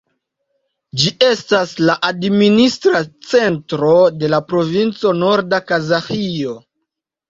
Ĝi estas la administra centro de la provinco Norda Kazaĥio.